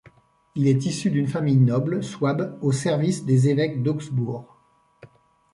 Il est issu d'une famille noble souabe au service des évêques d'Augsbourg.